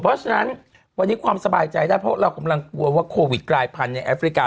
เพราะฉะนั้นวันนี้ความสบายใจได้เพราะเรากำลังกลัวว่าโควิดกลายพันธุ์ในแอฟริกา